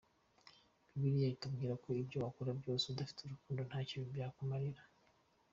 Bibiliya itubwira ko ibyo wakora byose udafite urukundo, nta cyo byakumarira.